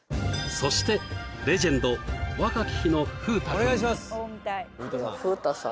そしてレジェンド若き日の風太君風太さん